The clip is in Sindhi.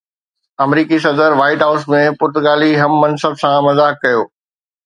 آمريڪي صدر وائيٽ هائوس ۾ پرتگالي هم منصب سان مذاق ڪيو